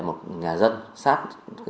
một nhà dân sát